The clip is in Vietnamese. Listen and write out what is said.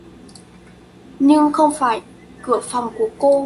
Nhưng không phải cửa phòng của cô